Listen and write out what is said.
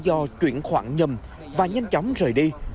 do chuyển khoản nhầm và nhanh chóng rời đi